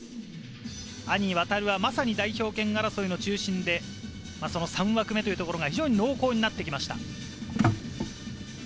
兄・航はまさに代表権争いの中心で３枠目というところが非常に濃厚になってきました。